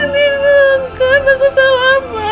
nino aku sama mbak